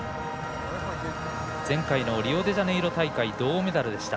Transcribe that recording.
前回のリオデジャネイロ大会銅メダルでした。